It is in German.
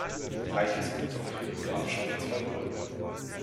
Gleiches gilt auch für die Grafschaft Zweibrücken.